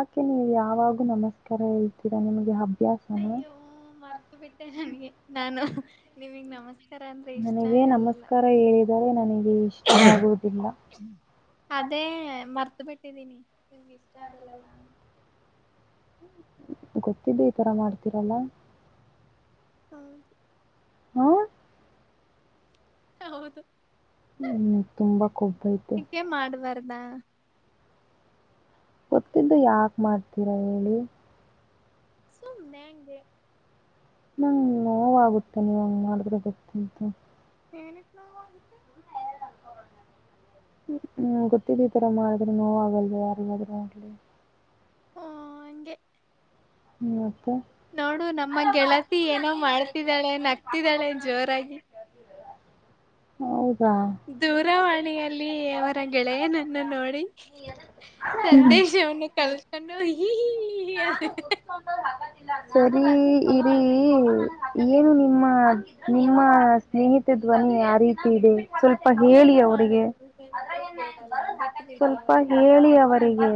ಆಕೆ ನೀವು ಯಾವಾಗೂ ನಮಸ್ಕಾರ ಹೇಳ್ತೀರಾ ನಿಮಗೆ ಹಬ್ಬ ಅಯ್ಯೋ ಮರ್ಕ ಬಿಟ್ಟೆ ನನ್ಗೆ ನಾನು ನಿಮಗ್ ನಮಸ್ಕಾರ ಅಂದ್ರೆ ಇಷ್ಟ ನನಗೆ ಆಗಲ್ಲಲ್ಲ ನಮಸ್ಕಾರ ಹೇಳಿದರೆ ನನಗೆ ಇಷ್ಟ ಆಗುವುದಿಲ್ಲ ಅದೇ ಮರ್ತ ಬಿಟ್ಟಿದ್ದೀನಿ ನಿಮಗೆ ಇಷ್ಟ ಆಗಲ್ಲಲ್ಲು ಗೊತ್ತಿದ್ದು ಈ ತರ ಮಾಡ್ತೀರಲ್ಲ ಹ್ಮ ಹ್ಮ ಹೌದು ನಿಮ್ಗ್ ತುಂಬಾ ಕೊಬ್ಬೈತೆ ಇಕೇ ಮಾಡಬಾರ್ದಾ ಗೊತ್ತಿದ್ದು ಯಾಕೆ ಮಾಡ್ತೀರಾ ಹೇಳಿ ಸುಮ್ಮನೆಗೆ ನಂಗ ನೋವಾಗುತ್ತೆ ನೀವು ಹಂಗ್ ಮಾಡಿದ್ರೆ ಗೊತ್ತಂತ ಏನಕ್ಕೆ ನಾವಗತ್ತು ್ಮ ಹ್ಮ್ ಗೊತ್ತಿದ್ದ್ ಈ ತರ ಮಾಡ್ರೆ ನೋ ಆಗಲ್ವ ಯಾರಾದ್ೂ ನೋಡ್ಲಿ ಹ್ಮ ಹಗೆ ಹ್ಮ ಮತ್ತೆ ನೋಡು ನಮ್ಮ ಗೆಳತಿ ಏನೋ ಮಾಡ್ತಿದ್ದಾಳೆ ನಗ್ತಿದ್ದಾಳೆ ಜೋರಾಗಿ ಹೌದು ದೂರವಾಣಿಯಲ್ಲಿ ಅವರ ಗೆಳೆಯನನ್ನ ನೋಡಿ ಸಂದೇಶ ವನ್ನು ಕಳ್ತೊಂಡ ಈ ಅ ಸರಿ ಇಲ್ಲಿೀ ಏನು ನಿಮ್ಮ ನಿಮ್ಮ ಸ್ನೇಹಿತ ್ವನ್ನಿ ಯಾವ ರೀತಿ ಇಡಿ ಏನು ಮಾಡದು ಸ್ವಲ್ಪ ಹೇಳಿ ಅವರಿಗೆ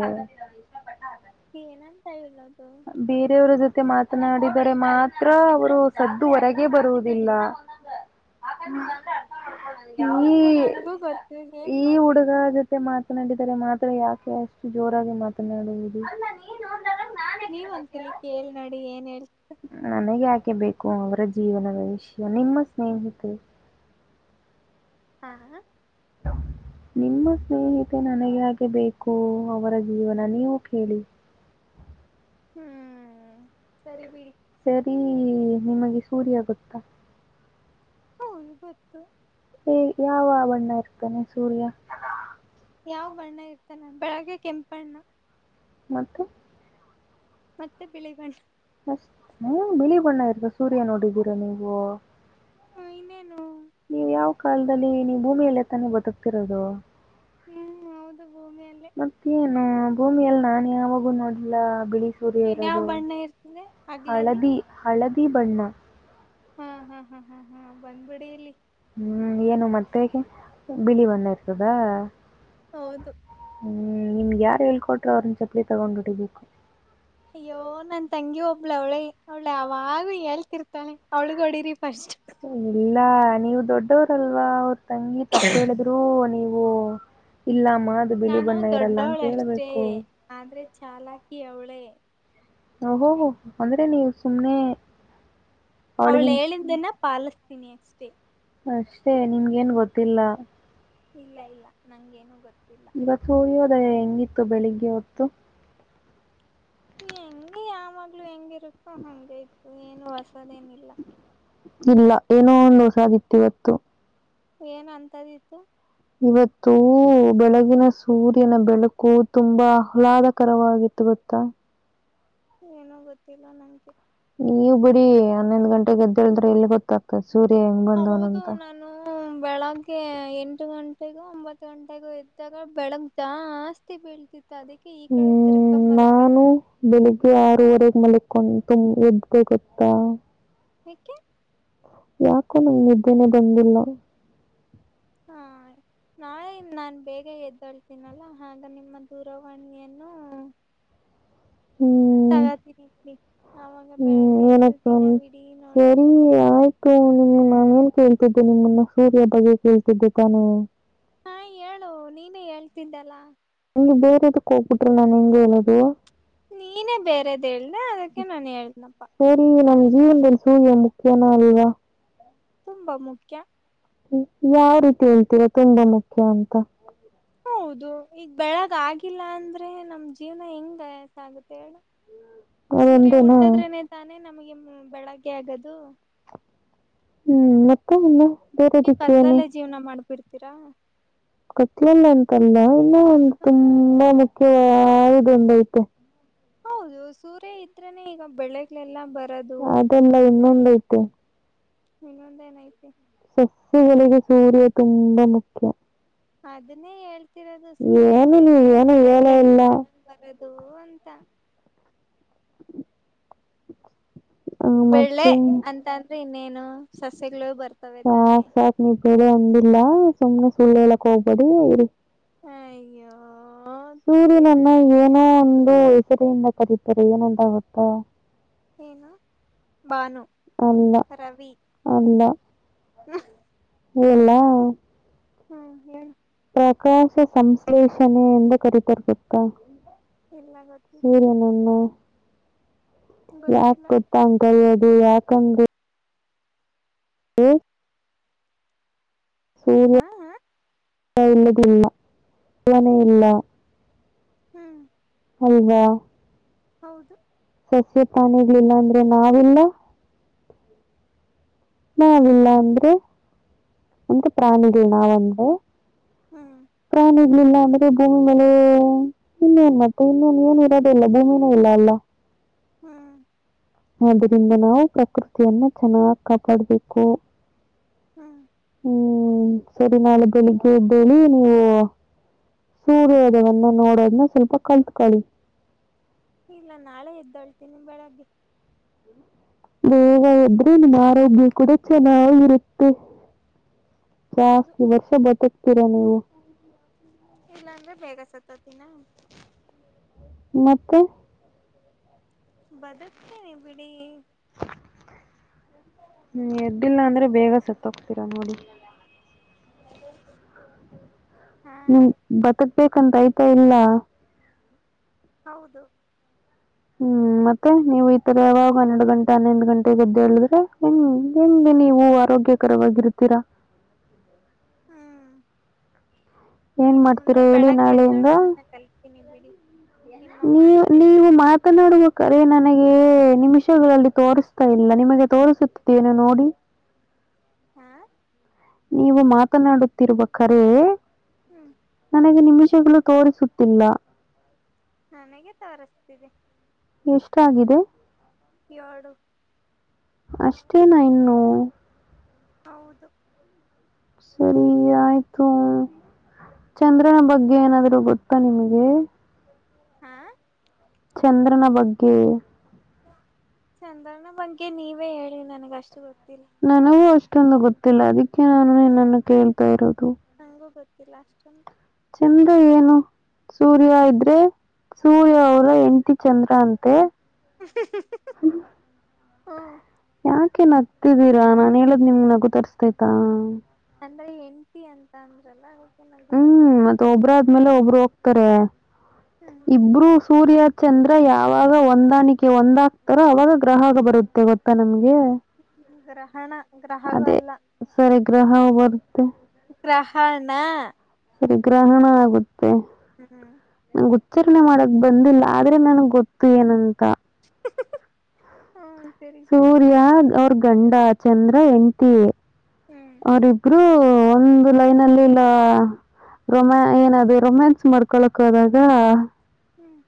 ಏನಂತ ಇಲ್ಲದು ಬೇರೆಯವರ ಜೊತೆ ಮಾತನಾಡಿದರೆ ಮಾತ್ರ ಅವರು ಸದ್ದು ಹೊರಗೆ ಬರುವುದಿಲ್ಲ ಂದ ಆಾಂದೆ ಅರ್ ಅದ ನಂಗೂ ಬರ್ತೀ ಏನ್ ಮಾಡ್ಬೇಕು ನಡಿದರೆ ಮಾತ್ರ ಯಾಕೆ ಅಷ್ಟು ಜೋರಾಗಿ ಮಾತನಾಡುವುದು ನೀವ ಒಂದಸಲಲಿ ಕೇೇಳಳ್ ನಡಿ ಏನ್ ಹೇಳ್ ೆ ಬೇಕು ಅವರ ಜೀವನದ ವಿಷಯ ನಿಮ್ಮ ಸ್ನೇಹಿತ ಹಾ ಹ ನಿಮ್ಮ ಸ್ನೇಹಿತೆ ನನಗೆ ಹೆ ಬೇಕು ಅವರ ಜೀವನ ನೀವು ಕೇಳಿ ಹ್ಮ್ ಸರಿ ಬಿಡಿ ಸರಿ ನಿಮಗೆ ಸೂರ್ಯ ಗೊತ್ತಾ ಹೌ ಗತ್ತು ಹ ಯಾವ ಬಣ್ಣ ಇರ್ತಾನೆ ಸೂರ್ಯ ಯಾವ್ ಬಣ್ಣ ಇರ್ತಾನ ಬೆಳಗ್ಗೆ ಕೆಂಪುಣ್ಣ ಮತ್ತೆ ಮತ್ತೆ ವಿಳವನ್ ಹ್ಮ್ ಬಿಳಿ ಬಣ್ಣ ಇರ್ತ ಸೂರ್ಯ ನೋಡಿದ್ದೀರ ನೀವು ಹ ಇನ್ನೇನು ನೀವು್ ಯಾವ ಕಾಲದಲ್ಲಿ ನೀವು ಭೂಮಿಯಲ್ಲ ತಾನ ಬದುಕ್ತಿರೋದು ಹ್ಮ್ ಹೌದು ಭೂಮಿಯಲ್ಲೇ ಮತ್ತೇಏನು ಭೂಮಿಯಲ್ಲಿ ನಾನ್ ಯಾವಾಗೂ ನೋಡ್ಲ್ಲ ಬಿಳಿ ಸೂರ್ಯ ಇನ್ಯಾವ್ ಇರೋದು ಬಣ್ಣ ಇರ್ತದೆ ಹಗ್ಲಲ್ಲಿ ಹಳದಿ ಹಳದಿ ಬಣ್ಣ ಹಾ ಹಾ ಹಾ ಹಾ ಹಾ ಬಂದ್ಬಿಡ ಇಲ್ಲಿ ಹ್ಮ್ ಏನು ಮತ್ತೆ ಬಿಳಿ ಬಂದ ಇರ್ತದಾ ಹೌದು ಹ್ಮ್ ನಿಮ್ ಯಾರ್ಳ್ಕೊಟರು ಅವ್ರನ್ನ ಚಪ್ಲಿ ತಗೊಂಡ್ಬಿಟಿ ಬುಕ್ ಅಯ್ಯೋ ನನ್ ತಂಗಿ ಒಬ್ಳ ಅವಳೆ ಅವಳೆ ಅವಾಗ ಹೇಳ್ತಿರ್ ತಾನೆ ಅವಳಗ್ ಹೊಡಿರಿ ಫಸ್ಟ್ ಇಲ್ಲ ನೀವು ದೊಡ್ಡವರಲ್ವಾ ಅವ್ರ ತಂಗಿ ತಪ್ಪ ಹೇಳಿದ್ರು ನೀವು ಓ ಇಲ್ಲ ನಾನು ದೊಡ್ಡವಳಷ್ಟೇ ಆದ್ರೆ ಚಾಲಕಿ ಅವಳೇ ಓಹೋಹೋ ಅಂದ್ರೆ ನೀವು ಸುಮ್ನೆ ಅವ್ಳ ಅವಳಿಗಿನ್ ಅದೇನು ಹೇಳಿಂದನ ಪಾಲಿಸತೀನಿ ಅಷ್ಟೇ ಅಷ್ಟೇ ನಿಮ್ಗ ಏನ್ ಗೊತ್ತಿಲ್ಲ ಇಲ್ಲ ಇಲ್ಲ ನಂಗಗೇನು ಗೊತ್ತು ಇವತ್ತು ಹಳ್ಯೋದಯ ಹೆಂಗಿತ್ತು ಬೆಳಿಗ್ಗೆ ಹೊತ್ತು ಹೆಂಗಗೆ ಯ ಮಗ್ಲು ಹೆಂಗಿರುತ್ತೋ ಹಂಗ ಇತ ಏನು ಹೊಸದೇನಿಲ್ಲ ಇಲ್ಲ ಏನೋ ಒಂದು ವಷಾಗಿತ್ತು ಇವತ್ತು ಏನ್ ಅಂತದ ಇತ್ತು ಇವತ್ತು ಬೆಳಗಿನ ಸೂರ್ಯನ ಬೆಳಕು ತುಂಬಾ ಆಹ್ಲಾದಕರವಾಗಿತ್ತು ಗತ್ತು ಕುತ್ತ ಏನೋ ಗೊತ್ತಿಲ್ಲ ನಂಗೆ ನೀವು ಬಿಡಿ ಹನ್ನೊಂದು್ ಗಂಟೆಗೆ ಗೆದ್ದ ಹೇಳಿದ್ರೆ ಎಲ್ಲಿ ಗೊತ್ತಾಗ್ತದೆ ಸೂರ್ಯ ಹೆಂಗ್ ಹೌದು ಬಂದವನಂತ ನಾನು ಬೆಳಗ್ಗೆ ಎಂಟು ಗಂಟೆ ಈಗ ಒಂಬತ್ ಗಂಟೆಗೂ ಇದ್ದಾಗ ಬೆಳಗ್ಗೆ ಜಾಸ್ತಿ ಬೀಳ್ತಿ ಅದಕ್ಕೆ ಈ ಕಳ ತಿರುಕ ಹ್ಮ್ ಮಲಕ್ಕಣ ಮಲೆ ಕ ತು ಯದಗ ಕೊತ್ತ ಹಕ್ಕೆೆ ಯಾಕೋ ನಂಗ ನಿದ್ದೇನೆ ಬಂದಿಲ್ಲ ನಾಳೆದ ನಾನ್ ಬೇಗ ಎದ್ದಳ್ತೀನಲ್ಲ ಆಗ ನಿಮ್ಮ ದೂರವಾಣಿಯನ್ನು ಹ್ಮ್ ತಗಾತಿನತ್ ಆಾಗ ಹ್ಮ್, ಬೆಳದ ಎದ್ದು ಏನಪ್ಪ ದಿನ ಅಂದ್- ಹಡೀ ನೋಡರ ಸರಿ ಆಯ್ತು ನಿಮ್ಮನ್ ನಾನೇನ್ ಕೇಳ್ತಿದ್ದೀನಿ ನಿಮ್ಮನ್ನ ಸೂರ್ಯಾ ಬಗ್ಗೆ ಕೇಳ್ತಿದ್ದೆ ತಾನೇ. ಹಾ ಹೇಳು ನೀನೇ ಹೇಳ್ತಿದ್ದಲ್ಲಾ. ವ್ ಬೇರೋದಕ್ ಹೋಗ್ಬಿಟ್ರೇ ನಾನೆಂಗ ಹೇಳೋದು. ನೀನೇ ಬೇರೆದ್ ಹೇಳ್ದೆ ಅದಕ್ಕೆ ನಾನ ಹೇಳಿದ್ನಪ್ಪಾ. ಜೀವನದಲ್ ಸೂರ್ಯಾ ಮುಖ್ಯಾನಾ ಅಲ್ವಾ. ತುಂಬ ಮುಖ್ಯಾ. ಯಾವ್ ರೀತಿ ಹೇಳ್ತೀರಾ ತುಂಬಾ ಮುಖ್ಯಾ ಅಂತಾ. ಹೌದು ಈಗ ಬೆಳಗ್ ಆಗಿಲ್ಲಾಂದ್ರೆ ನಮ್ ಜೀವ್ನಾ ಹೆಂಗ್ ಕಳಿಯಕ್ ಆಗುತ್ತೆ ಹೇಳ. ಸೂರ್ಯಾ ಅದೊಂದೇನಾ ಹುಟ್ಟದ್ರೆನೆ ತಾನೇ ನಮಗೆ ಬೆಳಗ್ಗೆ ಆಗದು. ಹ್ಮ್ ಮತ್ತೇನಿಲ್. ನೀವ್ ಕತ್ಲಲ್ಲೇ ಜೀವ್ನಾ ಮಾಡ್ಬಿಡ್ತೀರಾ. ಕತ್ಲಲ್ಲ ಅಂತಲ್ಲಾ ಇನ್ನ ಒಂದ್ ಮತ್ತೆ ತುಂಬಾ ಮುಖ್ಯ. ಖ್ಯ ವಾದದೊಂದೈತೇ. ಹೌದು ಸೂರ್ಯ ಇದ್ರೇನೆ ಈಗ ಬೆಳೆಗ್ಳೇಲ್ಲಾ ಬರ. ಅದಲ್ಲಾ ಇನ್ನೊಂದ್ ಐತೆ. ಇನ್ನೊಂದ ಎನೈತೆ. ಸಸ್ಯಗಳಿಗೆ ಸೂರ್ಯ ತುಂಬಾ ಮುಖ್ಯ. ಅದನ್ನೇ ಹೇಳ್ತಿರೋದು ಸೂರ್ಯ ಏನು ನೀವ್ ಇದ್ರೇನೆ ಏನು ಹೇಳೇ ಬೆಳೆಗಳೆಲ್ಲಾ ಇಲ್ಲ ಚೆನ್ನಾಗ್ ಬರದು. ದು ಅಂತಾ. ಆ ಬೆಳೆ ಮತ್ತೆ ಅಂತ ಅಂದ್ರೆ ಇನ್ನೇನು ಸಸ್ಯಗಳು ಬರ್ತವೆ ಸಾ ತಾನೆ ಸಾತ್ ನೀ ಬರ. ಇಲ್ಲಾ ಸುಮ್ನೆ ಸುಳ್ಳೇಳಕೋಬೇಡಿ ಇರಿ. ಅಯ್ಯೋ. ಸೂರ್ಯನನ್ನ ದೇವ್ರೆ ಏನೋ ಒಂದು ಹೆಸರಿಯಿಂದ ಕರೀತಾರೆ ಏನಂತಾ ಗೊತ್ತಾ. ಏನು ಬಾನು. ಅಲ್ಲಾ ಅಲ್ಲಾ. [inaudible] ಹೇಳ್ಲಾ. ಹ ಹೇಳಿ. ಪ್ರಕಾಶ ಸಂಶ್ಲೇಷಣೆ ಎಂದ ಕರೀತಾರೆ ಗೊತ್ತಾ. ಇಲ್ಲ ಗೊತ್ತಿಲ್ಲ ಸೂರ್ಯನನ್ನೂ. ಯಾಕ್ ಗೊತ್ತಿಲ್ಲ ಗೊತ್ತಾ ಅಂಗ ಕರೆಯೋದು ಯಾಕ್ ಅಂಗ್. [inaudible] ಸೂರ್ಯ ಹಾ ಹಾ ಇಲ್ಲದಿಲ್ಲಾ ಅವನೆಯಲ್ಲಾ. ಹ್ಮ್. ಅಲ್ವಾ. ಹೌದು. ಸಸ್ಯ ಪಾನಿಗಳಿಲ್ಲಾ ಅಂದ್ರೆ ನಾವಿಲ್ಲಾ. ಹ್ಮ್ ನಾವಿಲ್ಲಾ ಅಂದ್ರೆ ಅಂದ್ರೆ ಪ್ರಾಣಿಗಳ್ ನಾವ್ ಅಂದ್ರೆ. ಹ್ಮ್ ಪ್ರಾಣಿ. ಇಲ್ಲಿಲ್ಲಾ ಅಂದ್ರೆ ಭೂಮಿ ಮೇಲೆ ಇನ್ನೇನ್ ಮತ್ತೆ ಇನ್ನೇನ ಏನ ಇರದೇ ಇಲ್ಲಾ ಭೂಮಿನೇ ಇಲ್ಲಾ ಅಲ್ಲಾ. ಹ್ಹ. ಆದರಿಂದ ನಾವು ಪ್ರಕೃತಿಯನ್ನ ಚನ್ನಾಗ್ ಕಾಪಾಡ್ಬೇಕು. ಹ್ಮ್. ಹ್ಮ್ ಸರಿ ನಾಳೆ ಬೆಳಿಗ್ಗೆ ಎದ್ದೇಳಿ ನೀವು. ಸೂರ್ಯೋದಯವನ್ನ ನೋಡೋದ್ನ್ ಸ್ವಲ್ಪ ಕಲ್ತ್ಕೊಳ್ಳಿ. ಇಲ್ಲಾ ನಾಳೆ ಎದ್ದೊಳ್ತೀನಿ ಬೆಳಗ್ಗೆ. ಬೇಗ ಎದ್ರೆ ನಿಮ್ಮ ಆರೋಗ್ಯ ಕೂಡ ಚನ್ನಾಗಿರುತ್ತೆ. ಹೌದು ಜಾಸ್ತಿ ವರ್ಷ ಬದುಕ್ತೀರಾ ನೀವು. ಇಲ್ಲಾಂದ್ರೆ ಬೇಗ ಸತ್ತೊತಿನಾ. ಮತ್ತೆ. ಬದುಕ್ತೇನಿ ಬಿಡಿ. [inaudible] ಹ್ಮ್ ಎದ್ದಿಲ್ಲ ಅಂದ್ರೆ ಬೇಗ ಸತ್ಹೋಗ್ತೀರ ನೋಡಿ. ಹಾ ನಿಮ್ ಬದುಕು ಬೇಕು ಅಂತ ಐತೆ ಇಲ್ಲ. ಹೌದು. ಹ್ಮ್ ಮತ್ತೆ ನೀವು ಈತರ ಯಾವಾಗ ಹನ್ನೆಡು ಗಂಟೆ ಹನ್ನೊಂದು ಗಂಟೆಗೆ ಎದ್ದೇಳಿದ್ರೇ ಹೆಂಗೆ. ನೀವು ಆರೋಗ್ಯಕರವಾಗಿರುತ್ತೀರಾ. ಹ್ಮ್. ಏನ್ ಇನ್ನು ಮುಂದೆ ಮಾಡ್ತೀರಾ ಹೇಳಿ ಬೆಳಗ್ಗ ನಾಳೆಯಿಂದ ಎದ್ದೇಳುವುದನ್ನು ಕಲಿತೆನಿ ಬಿಡಿ. ನಿಮ್ಮ ನೀವು ಮಾತ್ ಕೇಳಿ ನೀವು ಮಾತನಾಡುವ ಕ. ಅದೇ ನನಗೆ ನಿಮಿಷಗಳಲ್ಲಿ ತೋರಿಸ್ತಾ ಇಲ್ಲ ನಿಮಗೆ ತೋರಿಸುತ್ತುದೆ ಏನು ನೋಡಿ. ಹಾ. ನೀವು ಮಾತನಾಡುತ್ತಿರುವ ಕರೆ ಹ್ಮ್ ನನಗೆ ನಿಮಿಷ. ಗಳು ತೋರಿಸುತ್ತಿಲ್ಲ. ನನಗೆ ತೋರಿಸ್ತಿದೆ. ಎಷ್ಟಾಗಿದೆ. ಏಳು. ಅಷ್ಟೇನ ಇನ್ನು. ಹೌದು. ಸರಿ ಆಯ್ತು. ಚಂದ್ರನ ಬಗ್ಗೆ ಏನಾದ್ರು ಗೊತ್ತಾ ನಿಮ್ಗೆ. ಹಾ. ಚಂದ್ರನ ಬಗ್ಗೆ. ಚಂದ್ರನ ಬಗ್ಗೆ ನೀವೇ ಹೇಳಿ ನನಗಷ್ಟು ಗೊತ್ತ. ನನಗೂ ಅಷ್ಟೊಂದು ಗೊತ್ತಿಲ್ಲ ಅದಕ್ಕೆ ನಾನು ನಿನ್ನನ್ನು ಕೇಳ್ತಾ ಇರೋದು. ನಂಗೂ ಗೊತ್ತಿಲ್ಲ ಅಷ್ಟ. ಚಂದ್ರ ಏನು ಸೂರ್ಯ ಇದ್ರೆ ಸೂರ್ಯ ಅವರ ಹೆಂಡ್ತಿ ಚಂದ್ರ ಅಂತೆ. ಹ್ಮ. ಯಾಕೆ ನಗ್ತಿದಿರಾ ನಾನು ಹೇಳೋದು ನಿಮಗೆ ನಗು ತರಿಸ್ತಾತೈತಾ. ಅಂದ್ರೆ ಹೆಂಡತಿ ಅಂದ್ರೆ ಅಲ್ವಾ ಅದಕ್ಕೆ. ನಗು ಹ್ಮ್ ಬಂತು ಮತ್ತೆ ಒಬ್ರಾದ್ಮೇಲೆ ಒಬ್ರು ಹೋಗ್ತಾರೆ ಹ್ಮ್ ಇಬ್ರು ಸೂರ್ಯ. ಚಂದ್ರ ಯಾವಾಗ ಹೊಂದಾಣಿಕೆ ಒಂದಾಗ್ತಾರೋ ಅವಾಗ ಗ್ರಹಗ ಬರುತ್ತೆ ಗೊತ್ತಾ ನಮ್ಗೆ. ಯಾ. ಗ್ರಹಣ ಗ್ರಹಗ ಅಲ್ಲ. ಸರಿ ಗ್ರಹ ಬರ್ತೆ. ಗ್ರಹಣ. ಸರಿ ಗ್ರಹಣ ಆಗುತ್ತೆ. [inaudible] ನಂಗೆ ಉಚ್ಚಾರಣೆ ಮಾಡಕ್ ಬಂದಿಲ್ಲ ಆದ್ರೆ ನನಗ್ ಗೊತ್ತು ಏನಂತ. ಹ್ಮ. ಸೂರ್ಯ ಅವ್ರ ಗಂಡ ಚಂದ್ರ ಹೆಂಡ್ತಿ. ಹ್ಮ್ ಅವರಿಬ್ರು ಒಂದು ಲೈನ್ ಅಲ್ಲಿಲ್ಲ. ರೊಮ್ಯಾ ಏನಾದ ರೊಮ್ಯಾನ್ಸ್ ಮಾಡ್ಕೊಳಕ್ ಹೋದಾಗ. ಹ್ಮ್.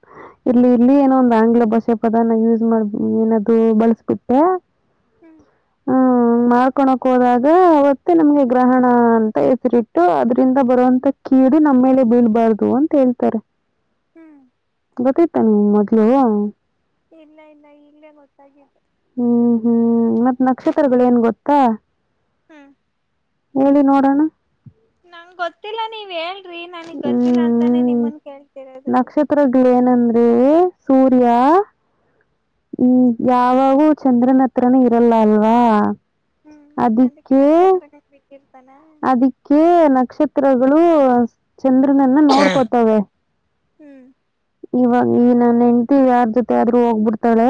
ಇಲ್ಲಿ ಇಲ್ಲಿ ಏನೋ ಒಂದು ಆಂಗ್ಲ ಭಾಷೆ ಪದಾನ ಯೂಸ್ ಮಾಡ ಏನದು ಬಳಸ್ಬಿಟ್ಟೆ. ಹ್ಮ್. ಹ್ಮ ಮಾಡ್ಕೊಕೋಣಕ ಹೋದಾಗ. ಅವತ್ತೆ ನಮ್ಗೆ ಗ್ರಹಣ ಅಂತ ಹೆಸರಿಟ್ಟು ಅದ್ರಿಂದ ಬರುವಂತ ಕೀಡು ನಮ್ಮ ಮೇಲೆ ಬೀಳ್ಬಾರು. ಬಾರ್ದು ಅಂತ ಹೇಳ್ತಾರೆ. ಹ್ಮ್. ಬತ್ತತಾನ ಮದ್ಲು ಇಲ್ಲ ಇಲ್ಲ ಇಲ್ಲೇ ಗೊತ್ತಾಗಿದ್ದು ಹ್ಮ್ ಹ್ಮ್ ಮತ್ತ ನಕ್ಷತ್ರಗಳು ಏನ್ ಗೊತ್ತಾ ಹ್ಮ್ ಹೇಳಿ ನೋಡೋಣ ನಂಗ ಗೊತ್ತಿಲ್ಲ ನೀವ್ ಹೇಳ್ರಿ ನನಗ್ ಗೊತ್ತಿಲ್ಲ ಅಂತಾನೇ ಹ್ಮ್ ನಿಮ್ಮನ್ ಕೇಳ್ತಿರೋದು ಅಂದೆ ಸೂರ್ಯ ಹ್ಮ್ ಯಾವಾಗೂ ಚಂದ್ರನ ಹತ್ರನ ಇರಲ್ಲ ಅಲ್ವಾ ಹ್ಮ್ ಅದಕ್ಕೆ ಅದಿಕ್ಕೆ ನಕ್ಷತ್ರಗಳ ಬಿಟ್ಟಿರ್ತಾನ ಅದಿಕ್ಕೆ ನಕ್ಷತ್ರ ಚಂದ್ರನಿಂದ ನೋಡ್ಕೊತವೆ ಹ್ಮ್ ಇವಾಗ ನನ್ ಹೆಂಡತಿ ಯಾರ್ ಜೊತೆ ಆದ್ರೂ ಹೋಗ್ಬಿಡ್ತಾಳೆ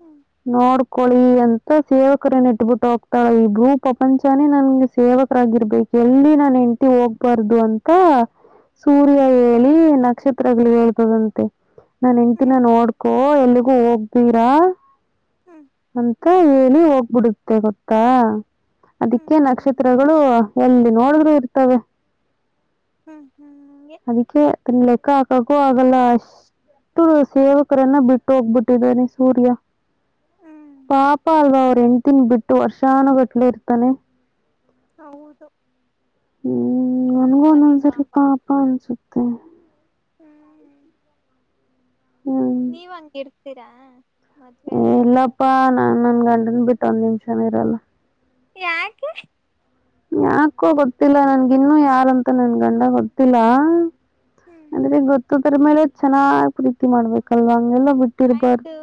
ಹ್ಮ್ ನೋಡ್ ಕೊಳಿ ಅಂತ ಸೇವಕರನ್ ಇಟ್ಬಿಟ್ಟು ಹೋಗ್ತಾಳೆ ಈ ಭೂ ಪ್ರಪಂಚನೇ ನನ್ಗೆ ಸೇವಕರಾಗಿರ್ಬೇಕು ಎಲ್ಲಿ ನನ್ ಹೆಂಡ್ತಿ ಹೋಗ್ಬಾರ್ದು ಅಂತ ತ್ತ ಸೂರ್ಯ ಹ್ಮ್ ಹೇಳಿ ನಕ್ಷತ್ರಗಳು ಹೇಳ್ಬದಂತೆ ನನ್ ಹೆಂಡ್ತಿನ ಹ್ಮ್ ನೋಡ್ಕೋ ಎಲ್ಲೋ ಹೋಗ್ಬೇಡ ಹ್ಮ್ ಅಂತ ಗತ್ತ ಏನಿ ಹೋಗ್ಬಿಡುತ್ತೆ ಗೊತ್ತಾ ಅದಕ್ಕೆ ಹ್ಮ್ ನಕ್ಷತ್ರಗಳು ಎಲ್ಲಿ ನೋಡಿದ್ರು ಇರ್ತವೆ ಹ್ಮ್ ಹ್ಮ್ಗೆ ಅದಕ್ಕೆೇ ತಿನ್ಲ ಕಾ ಕಾ ಕೂವಗಲಾಶ ಸೇವಕರೆನ್ನ ಬಿಟ್ಟುಗ್ಬಿಟ್ಟಿದ್ದಿದ್ದಾರೆೆ ಸೂರ್ಯ ಹ್ಮ್ ಪಾಪ ಅಲ್ವಾ ಅವರು ಹೆಂಡ್ತಿನ ಬಿಟ್ಟು ವರ್ಷಾನಗಟ್ಲೆ ಇರ್ತಾನೆ ಹೌದು ಹ್ಮ್ ನನ್ಗೂ ತುಂಬಾನೇ ಒಂದೊಂದಸರಿ ಪಾಪ ಪಾಪಾ ಅನ್ಸುತ್ತೆ ನೀವು ಹಂಗ ಇರ್ತೀರಾ ಏ ಇಲ್ಲಪ್ಪಾ ನಾ ನನ್ ಗಂಡನ್ ಬಿಟ್ಟ ಒಂದ್ ನಿಮಿಷನ ಇರಲ್ಲ ಯಾಕೆ ಯಾಕೋ ಗೊತ್ತಿಲ್ಲ ನನ್ಗಿನ್ನು ಯಾರಂತ ನನ್ ಗಂಡ ಗೊತ್ತಿಲ್ಲ ಹ್ಮ್ ಅಂದ್ರೆ ಗೊತ್ತದರ ಮೇಲೆ ಚೆನ್ನಾಗ್ ಪ್ರೀತಿ ಮಾಡ್ಬೇಕಲ್ವಾ ಹಂಗೆಲ್ಲ ಬಿಟ್ಟಿರ್ಬಾರ್ದು ಆಯ್ತು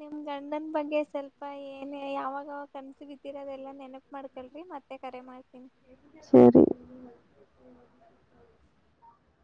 ನಿಮ್ ಅಣ್ಣನ್ ಬಗ್ಗೆ ಸ್ವಲ್ಪ ಪಾ ಏನ್ ಯಾವಾಗ ಕನ್ಸು ಬಿದ್ದಿರ ಅದೆಲ್ಲಾ ನೆನಪು ಮಾಡ್ಕಲ್ರರಿ ಮತ್ತೆ ಕರೆ ಮಾಡ್ತೀನಿ ಸರಿ